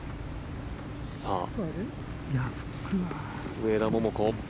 上田桃子